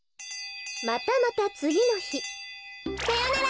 またまたつぎのひさよなら！